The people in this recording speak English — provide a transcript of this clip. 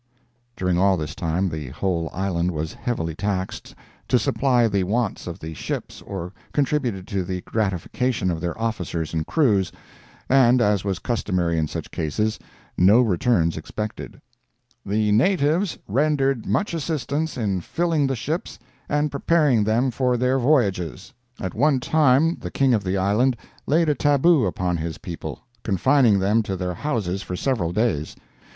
During all this time the whole island was heavily taxed to supply the wants of the ships or contributed to the gratification of their officers and crews, and as was customary in such cases, no returns expected. "The natives rendered much assistance in filling the ships and preparing them for their voyages." At one time the king of the island laid a tabu upon his people, confining them to their houses for several days.